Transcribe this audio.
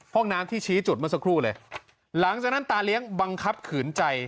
ห้องน้ำที่ชี้จุดเมื่อสักครู่เลยหลังจากนั้นตาเลี้ยงบังคับขืนใจ